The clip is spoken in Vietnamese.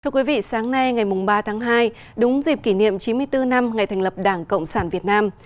thưa quý vị sáng nay ngày ba tháng hai đúng dịp kỷ niệm chín mươi bốn năm ngày thành lập đảng cộng sản việt nam